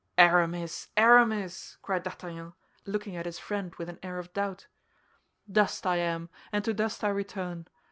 "Aramis, Aramis!" cried D'Artagnan, looking at his friend with an air of doubt. "Dust I am, and to dust I return.